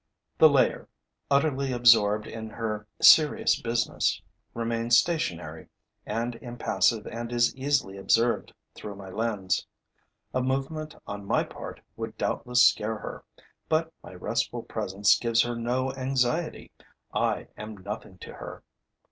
The layer, utterly absorbed in her serious business, remains stationary and impassive and is easily observed through my lens. A movement on my part would doubtless scare her; but my restful presence gives her no anxiety. I am nothing to her.